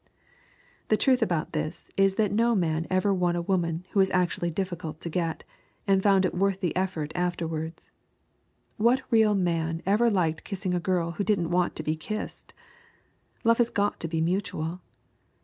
The truth about this is that no man ever won a woman who was actually difficult to get, and found it worth the effort afterwards. What real man ever liked kissing a girl who didn't want to be kissed? Love has got to be mutual.